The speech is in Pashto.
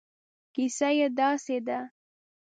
کیسه یې داسې ده.